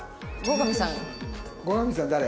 後上さん誰？